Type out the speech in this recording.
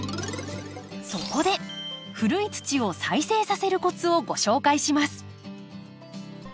そこで古い土を再生させるコツをご紹介します。